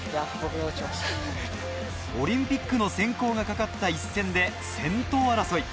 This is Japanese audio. オリンピックの選考がかかった一戦で先頭争い。